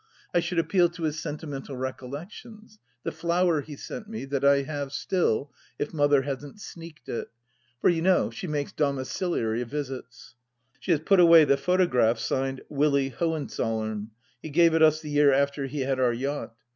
I should appeal to his sentimental recollections, the flower he sent me, that I have still — if Mother hasn't sneaked it. For you know she makes domicUiary visits. She has put away the photograph signed " Willy Hohen zoUern." He gave it us the year after he had our yacht.